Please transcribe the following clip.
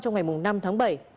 trong ngày năm tháng bảy